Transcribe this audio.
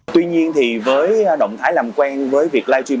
tuy nhiên thì với động thái làm quen với việc live stream